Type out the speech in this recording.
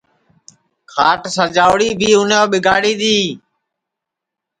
کھاٹ سجاوڑا بی اُنے ٻیگاڑی دؔی